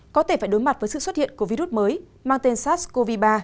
có thể phải đối mặt với sự xuất hiện của virus mới mang tên sars cov hai